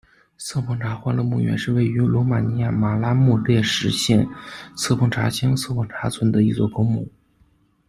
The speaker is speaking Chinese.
瑟彭察欢乐墓园是位于罗马尼亚马拉穆列什县瑟彭察乡瑟彭察村的一座公墓。